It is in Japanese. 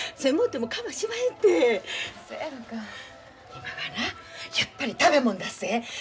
今はなやっぱり食べもんだっせ。